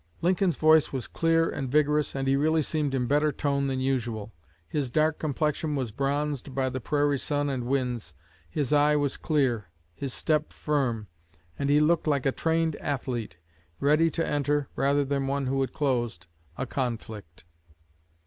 Lincoln's voice was clear and vigorous, and he really seemed in better tone than usual. His dark complexion was bronzed by the prairie sun and winds; his eye was clear, his step firm, and he looked like a trained athlete, ready to enter, rather than one who had closed, a conflict."